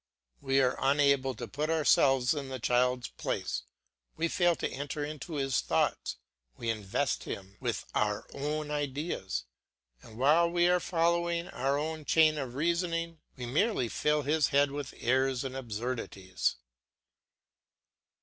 We are unable to put ourselves in the child's place, we fail to enter into his thoughts, we invest him with our own ideas, and while we are following our own chain of reasoning, we merely fill his head with errors and absurdities.